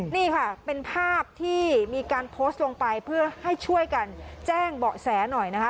นี่ค่ะเป็นภาพที่มีการโพสต์ลงไปเพื่อให้ช่วยกันแจ้งเบาะแสหน่อยนะคะ